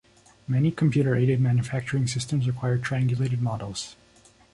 Many computer-aided manufacturing systems require triangulated models.